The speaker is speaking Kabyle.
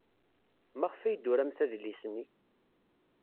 Maɣef ay d-turamt adlis-nni?